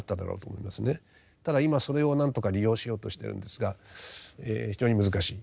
ただ今それを何とか利用しようとしてるんですが非常に難しい。